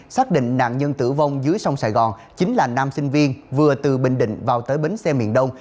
xác định nạn nhân tử vong dưới sông sài gòn chính là nam sinh viên vừa từ bình định vào tới bến xe miền đông